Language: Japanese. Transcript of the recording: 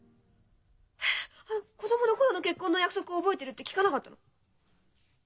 「子どもの頃の結婚の約束を覚えてる？」って聞かなかったの？